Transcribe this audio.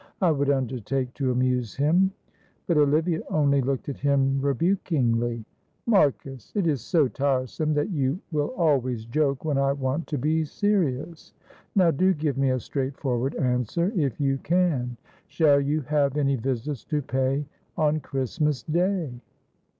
I would undertake to amuse him." But Olivia only looked at him rebukingly. "Marcus, it is so tiresome that you will always joke when I want to be serious. Now, do give me a straightforward answer, if you can. Shall you have any visits to pay on Christmas Day?"